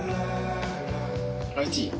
おいちい？